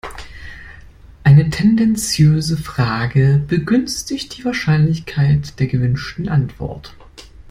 Eine tendenziöse Frage begünstigt die Wahrscheinlichkeit der gewünschten Antwort.